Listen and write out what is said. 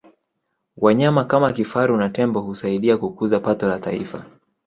wanyama kama kifaru na tembo husaidia kukuza pato la taifa